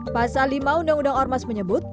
pasal lima undang undang ormas menyebut